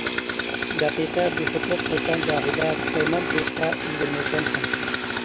دەقىقە بىخۇدلۇق قىلساڭ گاھىدا، پۇشايمان قىلىشقا ئۈلگۈرمەيسەن ھەم.